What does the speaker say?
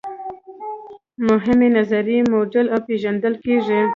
مهمې نظریې موډل او پیژندل کیږي.